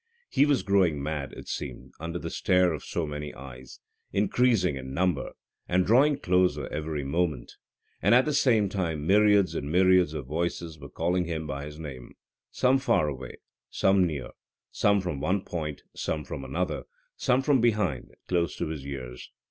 He was growing mad, it seemed, under the stare of so many eyes, increasing in number and drawing closer every moment, and at the same time myriads and myriads of voices were calling him by his name, some far away, some near, some from one point, some from another, some from behind, close to his ears.